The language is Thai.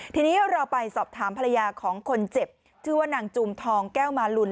ทีนี้เราไปสอบถามภรรยาของคนเจ็บชื่อว่านางจูมทองแก้วมาลุน